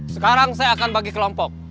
sekarang saya akan bagi kelompok